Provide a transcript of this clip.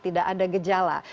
tidak ada gejala